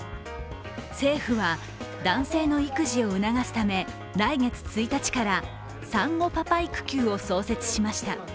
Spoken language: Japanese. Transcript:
政府は男性の育児を促すため来月１日から産後パパ育休を創設しました。